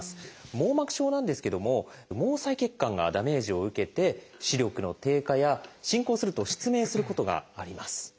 網膜症なんですけども毛細血管がダメージを受けて視力の低下や進行すると失明することがあります。